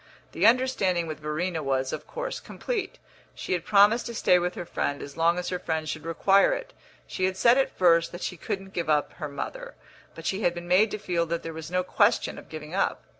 The understanding with Verena was, of course, complete; she had promised to stay with her friend as long as her friend should require it. She had said at first that she couldn't give up her mother, but she had been made to feel that there was no question of giving up.